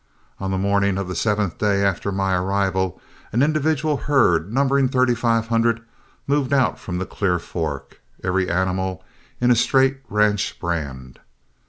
On the morning of the seventh day after my arrival, an individual herd, numbering thirty five hundred, moved out from the Clear Fork, every animal in the straight ranch brand.